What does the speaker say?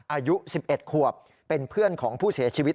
อายุ๑๑ขวบเป็นเพื่อนของผู้เสียชีวิต